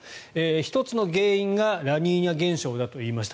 １つの原因がラニーニャ現象だと言いました。